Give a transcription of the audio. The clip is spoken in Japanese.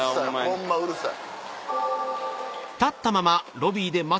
ホンマうるさい。